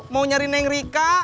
mau nyari neng rika